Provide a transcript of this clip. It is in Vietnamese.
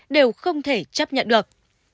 đều không thể chấp nhận được